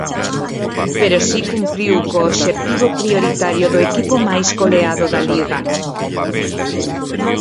Pero si cumpriu co obxectivo prioritario do equipo máis goleado da Liga.